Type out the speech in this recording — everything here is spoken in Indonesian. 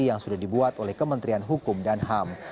yang sudah dibuat oleh kementerian hukum dan ham